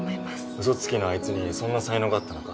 ウソつきのアイツにそんな才能があったのか。